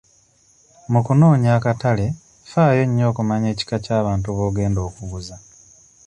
Mu kunoonya akatale faayo nnyo okumanya ekika ky'abantu b'ogenda okuguza.